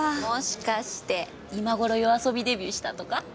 もしかして今ごろ夜遊びデビューしたとか？